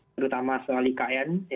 terutama soal ikn